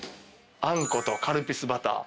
あんことカルピスバター。